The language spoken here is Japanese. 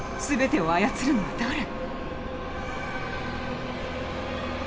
「すべてを操るのは誰⁉」。